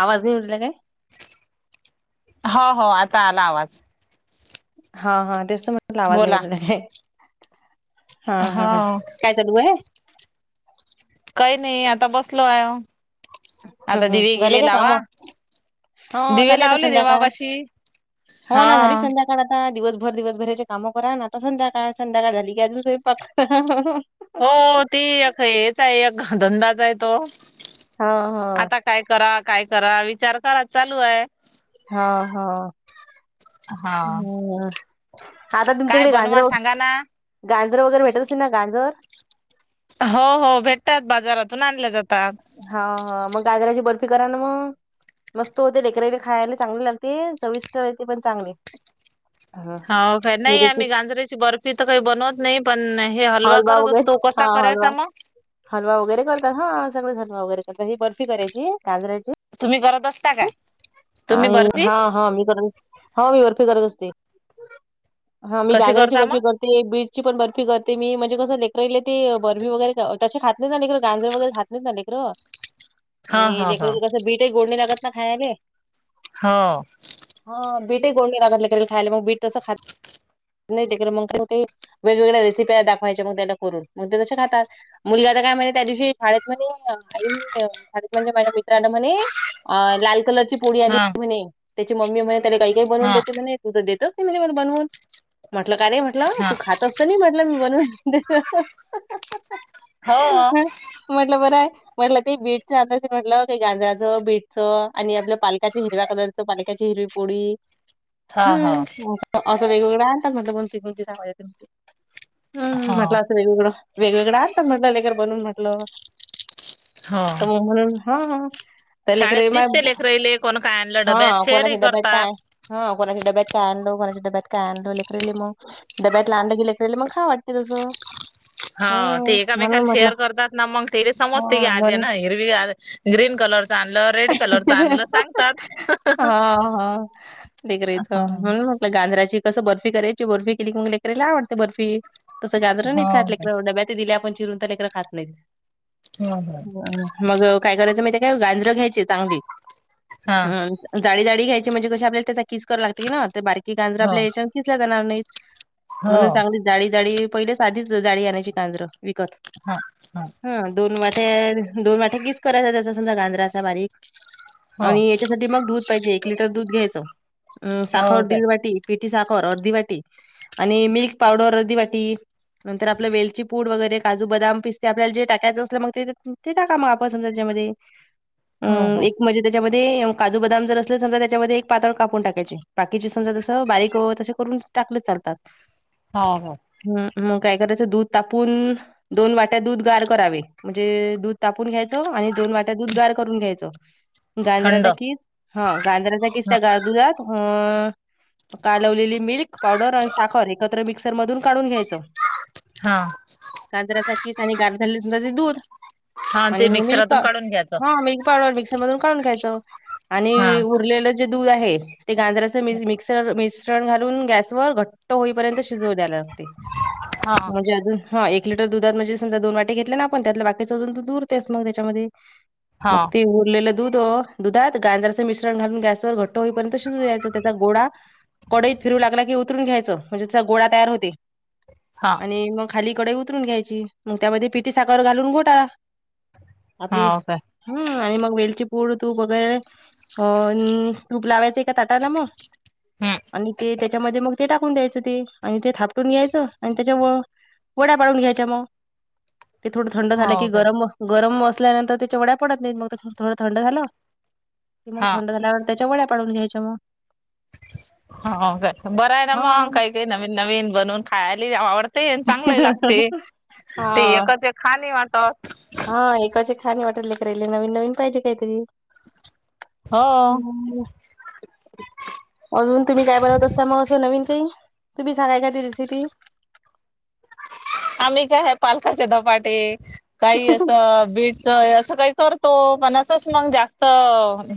आवाज नाही येऊन राहिला काय? हो हो आता आला आवाज. हा हा तेच तर म्हटलं आवाज नाही बोला येऊन राहिला काय हम्म हम्म हो काय चल होय. काही नाही आता बसलो आहे. आता हम्म दिवे हम्म झाले गिवे का काम? लावा. हो दिवे झाले आता लावले संध्याकाळ. देवापाशी. हो हा ना झाली संध्या काळ आता दिवसभर दिवसभराचे कामं करा ना आता संध्याकाळ संध्याकाळ झाली की, अजून स्वंयपाक. हो, ती एक हेच आहे एक धंदाच आहे तो, हां हां आता काय करा, काय करा, विचार करा चालू आहे. हां हां हा हं, आता तुमच्या काय इकडं बनवा गाजर- सांगा ना गांजर वगैरे भेटत असे ना गांजर? हो हो भेटतात, बाजारातून आणल्या जातात. हां हां, मग गाजराची बर्फी करा ना मग. मस्त होते, लेकरेले खायला चांगले लागते, चविष्ट ते पण चांगले. हा हो का, नाही आम्ही रेसिपी गांजरांची बर्फी तर काही बनवत नाही. पण, हे हलवा करत वगैरे असतो, कसा हा हलवा करायचा मग? हलवा वगैरे करतात, हा सगळेच हलवा वगैरे करतात. ही बर्फी करायची गाजराची, तुम्ही करत असता का? आणि हा हा मी करत, हो मी बर्फी करत असते. हां, मी कशी गाजराची करता बर्फी मग कर- ते बीटची पण बर्फी करते मी, म्हणजे कसं लेकरले ते बर्फी वगैरे, तसे खात नाही ना लेकर गांजर वगैरे खात- ''आहेत ना लेकरं, हा आणि हा हा लेकर कसं बीटही गोड नाही लागत ना खायले. '' हो हा, बीटही गोड ही लागत नाही लेकराले खायले मग बीट तस खात- नाही ते, मगते काय होते, वेगवेगळ्या रेसिपी दाखवायच्या मग त्याला करून, मग ते तसे खातात. मुलगा तर काय म्हणे, त्या दिवशी शाळेत म्हणे आई मी म्हणे, शाळेत म्हणजे माझ्या मित्रानं म्हणे, लाल कलरची पोळी आली हा होती म्हणे, त्याची मम्मी म्हणे, त्याला काही काही बनवून हा देते म्हणे. तू तर देतच नाही म्हणे मला बनवून, म्हटलं का रे म्हटलं हा तू खातच- तसं नाही म्हटलं, मी बनवुन हो हो [unintelligible] म्हटलं बरं आहे, म्हटलं ते बीटच [unintelligible] म्हटलं गांजराचं बीटचं आणि आपलं, पालकाच्या हिरव्या कलरच पालकाची हिरवी पोळी, हो हं.. हो असं वेगवेगळं आणतात म्हटलं, कोणती कोणती सांगाय त हं म्हटलं. वेगवेगळं, वेगवेगळे आता म्हटलं लेकर बनून म्हटलं, हो तर मग- हां हां त्या लेकराले मा- ले कोण काय आणलं? डब्यात हं, शेअरही कोणाच्या डब्यात काय, करतात हा कोणाच्या डब्यात काय आणलो, कोणाच्या डब्यात काय आणलो लेकरले मगं- डब्यात आणलं की मग, लेकराले खाव वाटतं तसं. हा हं, ते एकामेकाला म्हणून म्हटलं शेअर करतात ना मग, ते तेले समजते की हा आज म्हणून यान हिरवी ग- ग्रीन कलर च आणलं. रेड कलरच आणलं सांगतात हां हां, देिकराच हो म्हणून, गांजराची कसं, बर्फी करायची बर्फी केली का मग ले करायले आवडते बर्फी, ''तसं गांजर नाही हो खात लेकरं, डब्यात दिले आपण चिरून तर लेकर खात नाही. हो हो '' मग काय करायचं माहिती आहे, काय गांजरं घ्यायची चांगली, हा हं- ''जाडी जाडी घ्यायची, म्हणजे कशी आपल्या त्याचा किस करवा लागं ते की न, ते बारकी गांजरा हो आपल्या याच्याने खिसले जाणार नाहीत. '' हो म्हणून, चांगली जाडी -जाडी पहिले आधीच जाडी आणयची गाजरं विकत. हां हां हां, दोन वाट्या दोन वाट्या कीस करायचा त्याचा समजा गांजरा बारीक, हो आणि, याच्यासाठी मग दूध पाहिजे एक लिटर दूध घ्यायचं, अ हो साखर काय दीड वाटी, पिठी साखर अर्धी वाटी, आणि मिल्क पावडर अर्धी वाटी, नंतर आपलं वेलची पूड वगैरे, काजू, बदाम, पिस्ते आपल्याला जे टाकायचं असलं, मग ते, ते टाका म आपण समजा, त्याच्यामध्ये. हो अम हो एक म्हणजे, त्याच्यामध्ये काजू बदाम जर असले, समजा त्याच्यामध्ये, एक पातळ कापून टाकायचे. बाकीची समजा, जस बारीक, तस करून टाकलेत, चालतात. हा हा. हम्, मग काय करायचं, दूध तापून, दोन वाट्या, दूध गार करावे, म्हणजे दूध तापून घ्यायच आणि दोन वाट्या, दूध गार करून घ्यायचं.. थंड गांजराचा किस, हां गांजराचा किस, हा त्या गार दुधात, अ कालवलेली मिल्क पावडर आणि एकत्र मिक्सर मधून, काढून घ्यायचं. हा. गाजराचा किस आणि गार झाली, सुधा ते दूध, हा ते आणि मिल्क मिक्सरातून पा, काढून घ्यायचं हां मिल् पाडर मिक्सर मधून, काढून घ्यायचं, हा आणि उरलेलं, जे दूध आहे ते गांजराच मिस-मिक्सर, मिश्रण घालून, गॅसवर घट्ट होईपर्यंत, शिजवू द्याय लागते. हा म्हणजे, अजून हां, एक लिटर दुधात, म्हणजे समजा दोन वाट्या घेतल्या ना आपण, त्यातलं बाकीच अजून, दूध उरतेस मग त्याच्यामध्ये. हा मग, ते उरलेलं दूध अ, दुधात गाजराचं मिश्रण घालून, गॅस वर घट्ट होईपर्यंत, शिजू द्यायचं, त्याचा गोळा कडईत फिरू लागला की, उतरून घ्यायचं, म्हणजे त्याचा गोळा तयार होते. हा आणि मग खाली, कडई उतरून घ्याय ची, म त्यामध्ये पिठी साखर, घालून घोटा, आपली. हो काय हम्म आणि मग वेलची पूड, तूप वगैरे, अ तूप लावायचंय, एका ताटाला म हम्म आणि ते, त्याच्यामध्ये मग ते टाकून द्यायचं ते, आणि ते थापटून घ्यायचं आणि त्याच्या व वड्या पाळून घ्यायच्या, म. ते थोडं झालं की, हो काय गरम, गरम असल्यानंतर तेच्या वड्या पडत नही, मग त थोडं झालं कि मग, हा थंड झाल्यावर, त्याच्या वड्या पाडून घ्यायच्या, म. हो का, बरं य ना मग, हां. काही-काही, नवीन-नवीन बनवून, खायाले आवड तेन चांगलंही लागते, ते हां, एकच- एक खा नहीं वाटत. हां, एकाचे एक खा नई वाटत लेकराले, नवीन-नवीन पाहिजे, काहीतरी. हो [unintelligible] अजून तुम्ही, काय बनवत असता म, असं नवीन काही, तुम्ही सांगा एखादी, रेसिपी. आम्ही काय, ह्या पालकाचे धपाटे, काही असं, बीट चं असं काही करतो, पण असंच, मंग जास्त,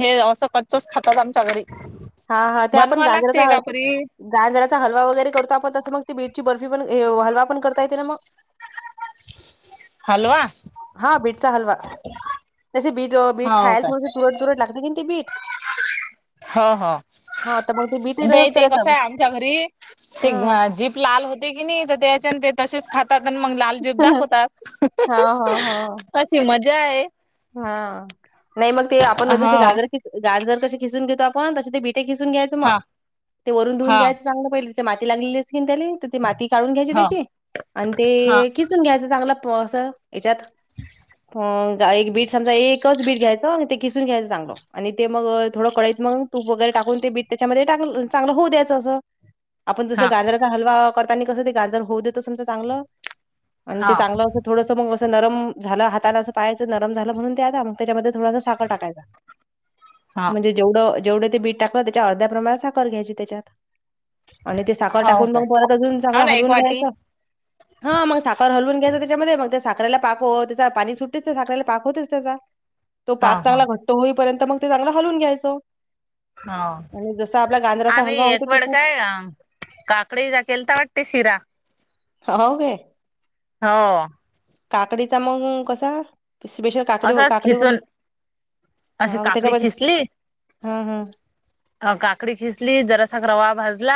हे असं कच्चच खातात, आमच्या घरी. हा हा, ते आपण, बनवा गाजरचा लागते ह का परी गाजराचा हलवा, वगैरे करतो आपण, तसं मग ते बीटची बर्फी, पण ए व हलवा, पण करता येते ना, मग? हलवा [inaudible] हा बीटचा हलवा, तसे बीट अ, बीट हो का खायला ठे तुरट- तुरट लागते की, न ते बीठ. हो हो, हा तर मग बीटही ते- तसंच ते करायचं कसं आपण य आमच्या घरी, ते हा [unintelligible] जी लाल होते की नही, त याच्यान, ते तसेच खा तात, अन मग लाल जीभ दाखवतात, हा हा अशी मजा ये. हां, नही मग, ते आपण जसे हा गाजर कि गांजर कशी खिसून घेतो आपण, तसे ते बिट हि किसून घ्यायचं म, हा ते वरून धुऊून हा घ्यायच चांगलं, पहिले च्या माती लागलेली, स्किन त्याले. त ते माती काढून घ्यायची हा त्याची, अन हा ते किसून घ्यायचं, चांगलं प असं. याच्यात, प [unintelligible] बीट समजा एकच बीट घ्यायचं आणि ते किसून घ्यायचं चांगल आणि ते मग थोडं कढईत मग. तूप वगैरे टाकून ते बीट त्याच्यामध्ये चांगलं होऊ द्यायचं असं. आपण जसं हा गाजराचा हलवा करताना, कसं ते गाजर होऊ देतो समजा चांगलं आणि ते चांगलं हा असं. थोडस मग असं नरम झालं हाताला असं पाहायचं नत. नरम झाला ना, त्यामध्ये थोडं साखर टाकायचा म्हणजे. जेवढं जेवढं ते बीठ टाकलं, त्याच्या अर्ध्या प्रमाणात साखर घ्यायची त्याच्यात. आणि ते साखर हा हो टाकून काय मग परत अजून हो चांगला ना एक हलवून वाटी घ्यायचा. हा, मग साखर हलवून घ्यायचं त्याच्यामध्ये मग त्या साखरेला पाक होते. त्याचा पाणी सुट्टतेच त्या साखरेला. पाक होतच त्याचा तो हा पाक हा चांगला घट्ट होईपर्यंत मग ते चांगला हलून घ्यायचं. हा, आणि जसा आपला गांजराचा आम्ही हलवा होतो एक वेड तसाच काय काकडीचा केेला वाटते शिरा. हो, काय. हो, काकडीचा मग कसा स्पेशल काकडी असंच काकडी व''--'' खिसून अशी हा, काकडी त्याच्यामध्ये ''हं ''हं'' अ काकडी खिसली जरासा रवा भाजला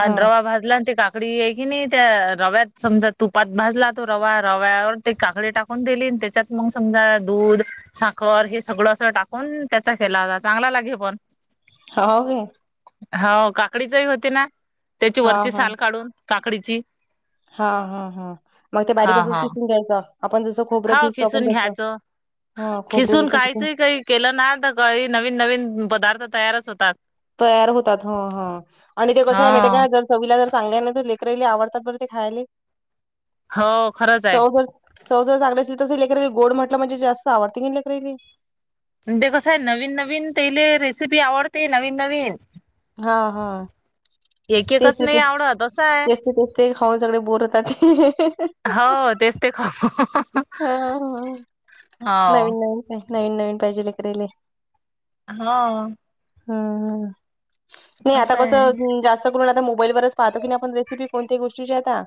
आणि रवा भाजला आणि ते काकडी. काकडी आहे की, नाही त्या रव्यात समजा तुपात भाजला तो रवा रव्यावर ते काकडी टाकून दिली त्याच्यात. मग समजा दुध. साखर हे सगळं असं टाकून त्याचा केला चांगला लागे बघ. हो काय, हो, काकडीचही होते ना, त्याची हां वरची साल काढून काकडीची. हा हा हा, मग ते बारीक हा असच हा खिसून घ्यायचं. आपण जसं खोबरं हो घिसतो आपण खिसून तस घ्यायचं हा, खोबरं खिसून जस. काहीच काही केलं ना, तर काही नवीन नवीन पदार्थ तयारच होतात. तयार होतात ''हं ''हं''आणि ते कसं हा आहे माहिती काय जर. चवीला जर चांगल्याने तर, लेकराईले आवडतात बर ते खायला हो खरंच आहे चव जर. चव जर चांगली असेल, तर लेकर गोड म्हटलं म्हणजे जास्त आवडते की, लेकरानले. आणि ते कसायं नवीन नवीन तेले रेसिपी आवडते नवीन नवीन. हा हा, एक तेच एकच ते नाही तेच, आवडत असं आहे तेच ते तेच ते खाऊन सगळे बोर होतात. हो, तेच ते खाऊन हा हा, तेच नवीन नवीन पाहिजे लेकराले. हा, हा हा, नाही आता असं आहे कसं तुम्ही जास्त. तर तुम्हाला आता मोबाईल वरचं पाहतो की, नाही आपण रेसिपी कोणत्या ही गोष्टीची आता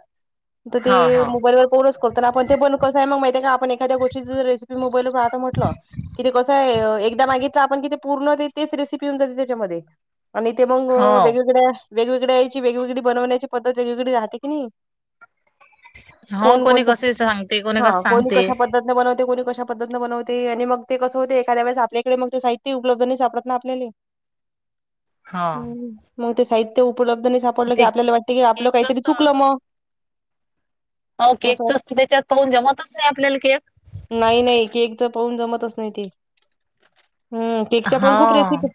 तर ते हो हो मोबाईल वर कोणच कर. तर आपण ते बनू कसं आहे मग माहिती आहे. का आपण एखाद्या गोष्टीची जर रेसिपी मोबाईलवर पाहत म्हटलं. इथे कसं आहे अ एकदा मागितलं आपण की, ते पूर्ण ते तेच रेसिप. पिऊन जाते त्याच्यामध्ये आणि ते मंग अ हो वेगवेगळ्या. वेगवेगड्या याची वेगवेगडी बनवण्याची पद्धत वेग वेगडी राहते की नाही? हो कोण कोणी कोणत्या कसे सांगते कोणी हा, कस कोण सांगते कशा पद्धत. बनवते कोणी कशा पद्धतीनं बनवते आणि मग ते कसं होते एखाद्या वेळेस आपल्याकडे मग ते साहित्य उपलब्ध नाही सापडत ना आपल्याले. हो हम, मग ते साहित्य उपलब्ध नाही साप ''--'' पडलं की, ते आपल्याला वाटते की, आपलं केकचच काहीतरी तर चुकलं मग. हो, असं केकचच तर त्याच्यात तर म्हणजे जमतच नाही आपल्याला केक. नाही नाही केकच पाहून जमतच नाही ते हम, केकच्या पण हो खूप रेसिपी.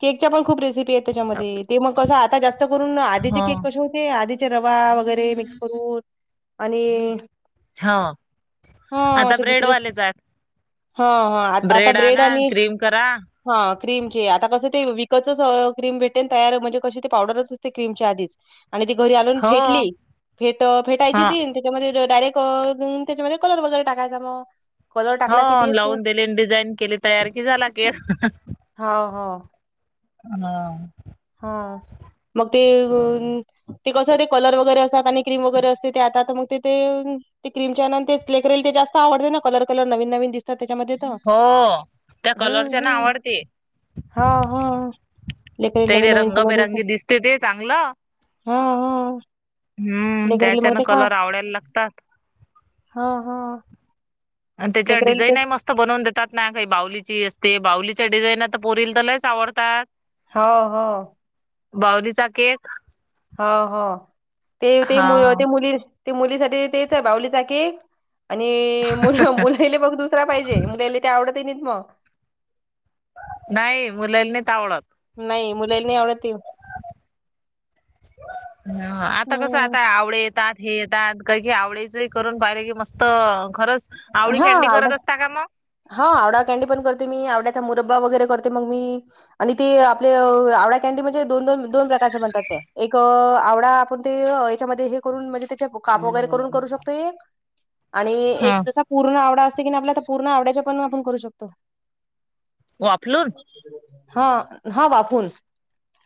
केकच्या पण खूप रेसिपी आहे त्याच्यामध्ये, ते मग कसं आता जास्त करून आधीचे केक कशे हो नाही आधीचे रवा वगैरे मिक्स करून आणि हां आता ब्रेडवालेच आहेत. हां हं आता आता ब्रेड आणा आणि क्रीम करा ह क्रीमचे आत आता कसं ते विकतचच क्रीम भेटेन तयार म्हणजे कशे ते पावडरच ते क्रीमची आधीच. आणि ती घरी आणून हो फेटली फेट ह फेटायची ती अन ती त्याच्यामध्ये तर डायरेक्ट अ त्याच्यामध्ये कलर वगैरे टाकायचा मग. कलर टाकला की हो तेच लावून देलेन डिझाईन केले तयार की झाला केक. हो हो. हं. हा मग ते उन ते कसं ते कलर वगैरे असतात आणि क्रीम वगैरे असते ते आता मग ते ते ते क्रीमच्यायनन तेच लेकरायले ते जास्त आवडते ना कलर कलर नवीन नवीन दिसतात त्याच्यामध्ये. त हो त्या हम्म कलरच्या ना हम्, आवडते हा हा. ते बे रंगबेरंगी दिसते ते चांगलं. हां, हां. हम्म, लेकराला मग त्याच्यान ते खा कलर आवडायला लागतात. हा हा. अन त्याच्यावर लेकराला डिझाईन तेच हाय मस् त बनवून देतात ना काही बाहूलीची असते, बाहूलीच्या डिझाईन आता पोरील तर लइच आवडतात. हाव हो. बाहुलीचा केक हो हो ते ते हा मु ते मुली ते मुलीसाठी तेच बाहुलीचा केक. आणि मुला मुलायला बघ दुसरा पाहिजे मुलायला ते आवडत ही नाहीत मग. नाही मुलायला नाहीत आवडत. नाही मुलायला नाही आवडत ते. ह आता कसं हम्म आता आवडेेत येतात हे येतात काही काही आवडायचं ही करून पाहिले की मस्त खरंच. आवडी हां खॅन्डी आवडा करत असता का मग हां आवडा कॅन्डी पण करते मी आवड्याचा मुरब्बा वगैरे करते मग मी. आणि ते आपल आवडा कॅन्डी म्हणजे दोन दोन प्रकारचे बनतात त्या, एक अ आवडा आपुण ते याच्यामध्ये हे करून म्हणजे त्याचे काप वगैरे करून करू शकतो एक. आणि एक ह जसा पूर्ण आवडा असते की नाही आपला पूर्ण आवड्याच्या पण आपण करू शकतो. वाफलून. हां हां वाफून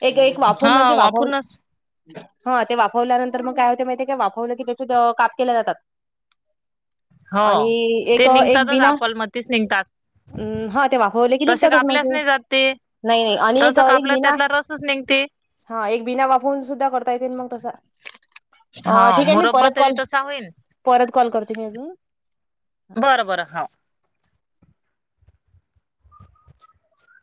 एक एक वाफून हा म्हणजे वाफवून. वाफरूनच हम्म ते वाफवल्यानंतर मग काय होते माहितीेये काय वाफवलं की त्याचे त काप केल्या जातात. आणि हो. एक ते एक निघतातच बिना आपल मतीच निघतात हम्म हा ते वापरले की तसे निघतातच मग कापल्याच ते. नाही जात ते. नाही नाही आणि एक तसं एक कापलं विना त्यातला रसच निघते हा एक बिना वाफून सुद्धा करता येते मग तस. अ हा ठीक आहे मी मुरब्बा परत तरी कॉल, तसा होईल. परत कॉल करते मी अजून. बरं बरं हव‌.